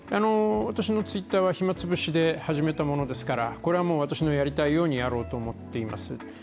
私のＴｗｉｔｔｅｒは暇潰しで始めたものですからこれは私のやりたいようにやろうと思っています。